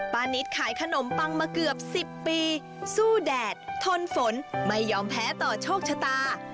นิดขายขนมปังมาเกือบ๑๐ปีสู้แดดทนฝนไม่ยอมแพ้ต่อโชคชะตา